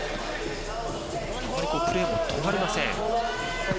あまりプレーも止まりません。